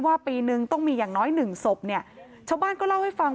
ปีนึงต้องมีอย่างน้อยหนึ่งศพเนี่ยชาวบ้านก็เล่าให้ฟัง